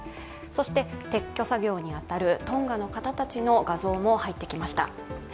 撤去作業に当たるトンガの方たちの画像も入ってきました。